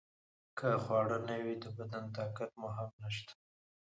که خواړه نه وي د بدن طاقت مو هم نشته.